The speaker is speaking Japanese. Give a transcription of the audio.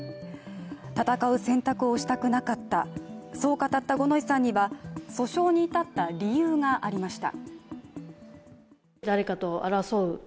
戦う選択をしたくなかった、そう語った五ノ井さんには訴訟に至った理由がありました。